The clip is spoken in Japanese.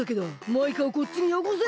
マイカをこっちによこせ！